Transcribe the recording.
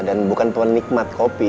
dan bukan tuan nikmat kopi